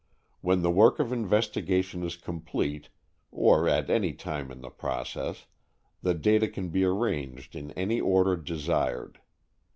When the work of investigation is complete, or at any time in the process, the data can be rearranged in any order desired.